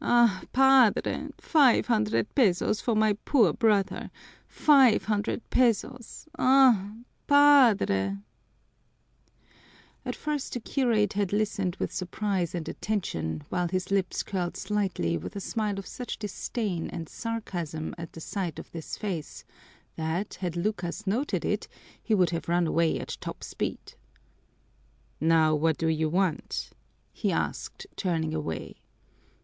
Ah, Padre, five hundred pesos for my poor brother five hundred pesos! Ah, Padre " At first the curate had listened with surprise and attention while his lips curled slightly with a smile of such disdain and sarcasm at the sight of this farce that, had Lucas noticed it, he would have run away at top speed. "Now what do you want?" he asked, turning away.